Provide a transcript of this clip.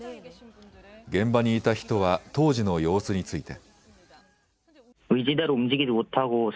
現場にいた人は当時の様子について。